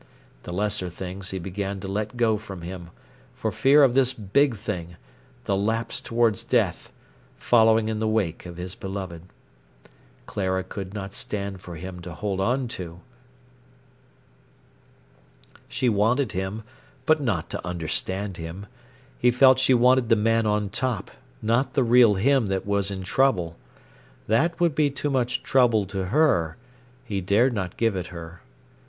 The lesser things he began to let go from him, for fear of this big thing, the lapse towards death, following in the wake of his beloved. Clara could not stand for him to hold on to. She wanted him, but not to understand him. He felt she wanted the man on top, not the real him that was in trouble. That would be too much trouble to her; he dared not give it her.